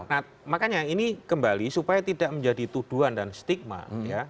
nah makanya ini kembali supaya tidak menjadi tuduhan dan stigma ya